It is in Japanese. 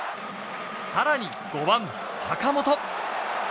更に５番、坂本。